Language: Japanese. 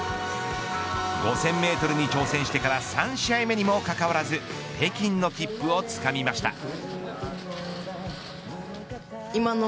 ５０００メートルに挑戦してから３試合目にもかかわらず北京の切符をつかみました。